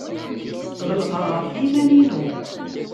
Ɣelqeɣ ɣef yiman-inu.